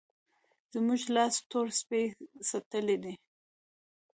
زموږ لاس تور سپی څټلی دی.